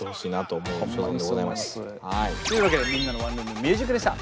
というわけで「みんなのワンルーム★ミュージック」でした！